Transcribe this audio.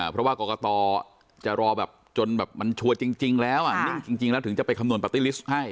เพราะว่ากรกตจะรอแบบจนแบบมันชัวร์จริงแล้วอ่ะนิ่งจริงแล้วถึงจะไปคำนวณปาร์ตี้ลิสต์ให้